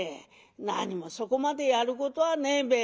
何もそこまでやることはねえべ」。